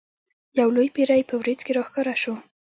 یو لوی پیری په وریځ کې را ښکاره شو.